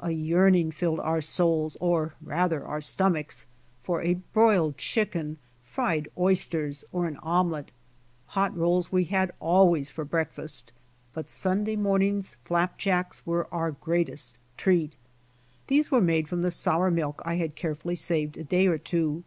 A yearning filled our souls, or rather our stomachs, for a broiled chicken, fried oysters, or an omelette. Hot rolls we had always for breakfast, but Sunday morning's flap jacks were our THE WELCOME SUNDAY MORNING FLAP JACKS 109 greatest treat. These were made from the sour milk 1 had carefully saved a day or two.